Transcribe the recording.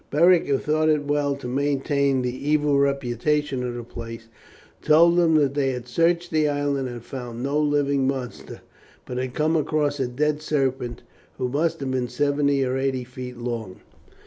Beric, who thought it as well to maintain the evil reputation of the place, told him that they had searched the island and had found no living monsters, but had come across a dead serpent, who must have been seventy or eighty feet long.